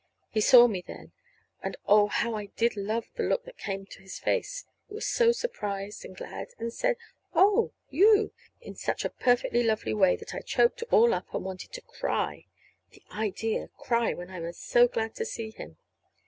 He saw me then. And, oh, how I did love the look that came to his face; it was so surprised and glad, and said, "Oh! You!" in such a perfectly lovely way that I choked all up and wanted to cry. (The idea! cry when I was so glad to see him!)